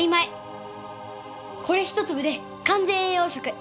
これ一粒で完全栄養食！